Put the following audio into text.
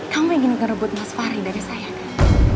kamu ingin nge rebut mas fahri dari saya gak